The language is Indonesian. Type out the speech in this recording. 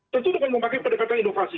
tentu dengan memakai pendekatan inovasi